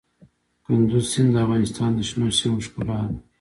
کندز سیند د افغانستان د شنو سیمو ښکلا ده.